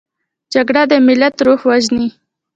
جګړه د ملت روح وژني